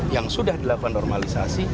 yang sudah dilakukan normalisasi